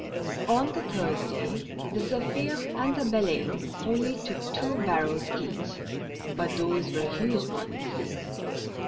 On the Thursday, the Zephir and the Baleine only took two barrels each, but those were huge ones.